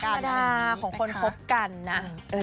เป็นทาดาของคนคบกันนะ